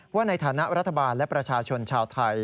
ว่าในฐานะรัฐบาลและประชาชนชาวไทย